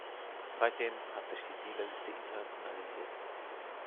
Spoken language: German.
Seitdem hat sich die Siegerliste internationalisiert.